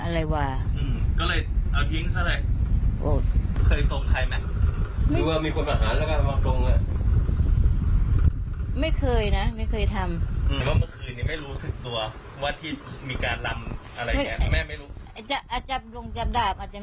ไม่อยากให้แม่เป็นอะไรไปแล้วนอนร้องไห้แท่ทุกคืน